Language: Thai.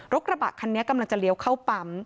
กระบะคันนี้กำลังจะเลี้ยวเข้าปั๊ม